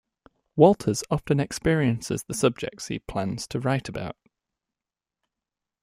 Walters often experiences the subjects he plans to write about.